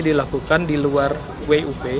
dilakukan di luar wup